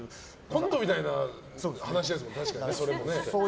コントみたいな話ですもんね